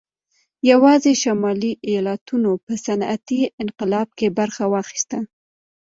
یوازې شمالي ایالتونو په صنعتي انقلاب کې برخه واخیسته